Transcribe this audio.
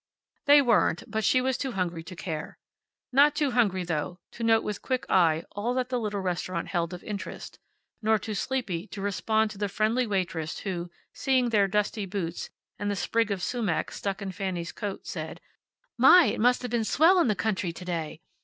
They weren't, but she was too hungry to care. Not too hungry, though, to note with quick eye all that the little restaurant held of interest, nor too sleepy to respond to the friendly waitress who, seeing their dusty boots, and the sprig of sumac stuck in Fanny's coat, said, "My, it must have been swell in the country today!"